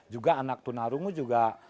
juga anak tunanungu juga